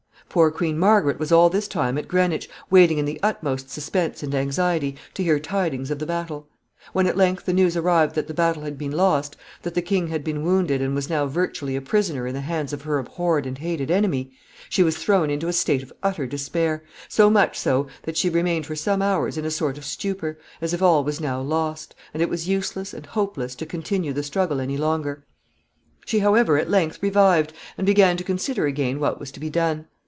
] Poor Queen Margaret was all this time at Greenwich, waiting in the utmost suspense and anxiety to hear tidings of the battle. When, at length, the news arrived that the battle had been lost, that the king had been wounded, and was now virtually a prisoner in the hands of her abhorred and hated enemy, she was thrown into a state of utter despair, so much so that she remained for some hours in a sort of stupor, as if all was now lost, and it was useless and hopeless to continue the struggle any longer. [Sidenote: The king's wound.] [Sidenote: The queen and the prince.] She however, at length, revived, and began to consider again what was to be done.